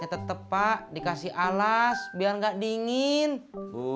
misalnya ni akun nihilin embrace beban itu